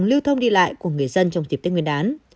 lưu thông đi lại của người dân trong dịp tết nguyên đán